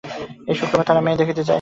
এই শুক্রবারে তারা মেয়ে দেখতে আসবে।